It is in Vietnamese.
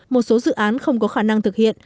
một số dự án không có khả năng thực hiện